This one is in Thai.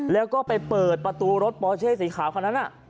แล้วก็ไปเปิดประตูรถปอเช่สีขาวคนนั้น